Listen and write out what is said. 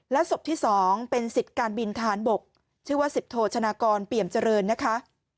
ศพที่๒เป็นสิทธิ์การบินทหารบกชื่อว่าสิบโทชนากรเปี่ยมเจริญนะคะ